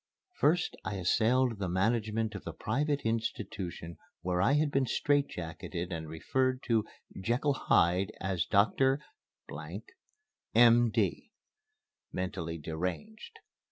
First I assailed the management of the private institution where I had been strait jacketed and referred to "Jekyll Hyde" as "Dr. , M.D. (Mentally Deranged)."